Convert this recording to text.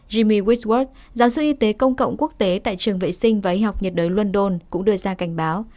jimmy whitworth giáo sư y tế công cộng quốc tế tại trường vệ sinh và y học nhiệt đới london cũng đưa ra cảnh báo